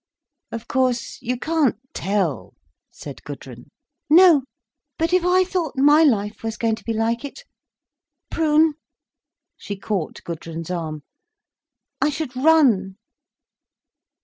"Of course—you can't tell," said Gudrun. "No. But if I thought my life was going to be like it—Prune," she caught Gudrun's arm, "I should run."